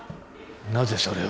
なぜそれを？